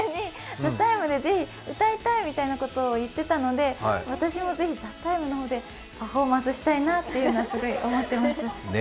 ぜひ歌いたいみたいなことを言っていたので、私もぜひ「ＴＨＥＴＩＭＥ，」の方でパフォーマンスしたいなというのはすごい思ってます。